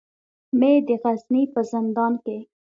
مې د غزني په زندان کې.